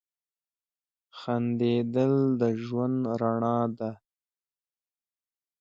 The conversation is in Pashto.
• خندېدل د ژوند رڼا ده.